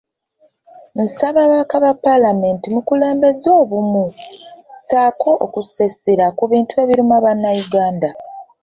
Nsaba ababaka ba paalamenti mukulembeze obumu ssaako okussa essira ku bintu ebiruma Bannayuganda .